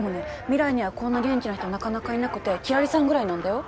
未来にはこんな元気な人なかなかいなくて輝星さんぐらいなんだよ